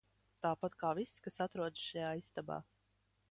Tāpat kā viss, kas atrodas šajā istabā.